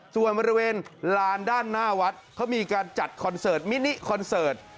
ส่วนบริเวณลานด้านหน้าวัดเขามีการจัดคอนเสิร์ตมินิคอนเสิร์ต